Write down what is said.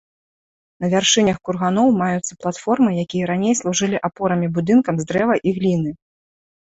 На вяршынях курганоў маюцца платформы, якія раней служылі апорамі будынкам з дрэва і гліны.